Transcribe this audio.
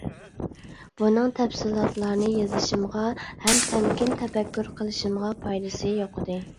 بۇنىڭ تەپسىلاتلارنى يېزىشىمغا ھەم تەمكىن تەپەككۇر قىلىشىمغا پايدىسى يوقىدى.